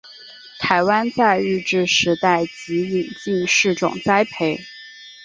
台湾在日治时代即引进试种栽培。